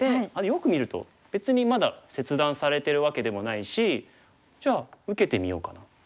よく見ると別にまだ切断されてるわけでもないしじゃあ受けてみようかな。